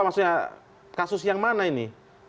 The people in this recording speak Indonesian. maksudnya kasus yang mana ini